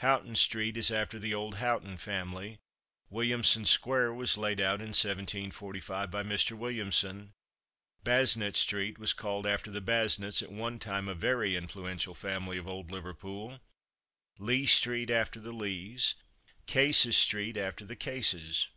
Houghton street is after the old Houghton family. Williamson square was laid out in 1745 by Mr. Williamson. Basnett street was called after the Basnetts, at one time a very influential family of old Liverpool; Leigh street after the Leighs; Cases street after the Cases.